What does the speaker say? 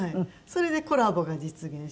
それでコラボが実現して。